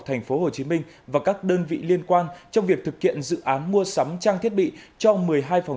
tp hcm và các đơn vị liên quan trong việc thực hiện dự án mua sắm trang thiết bị cho một mươi hai phòng